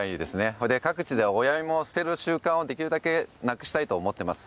それで各地で親芋を捨てる習慣をできるだけなくしたいと思ってます。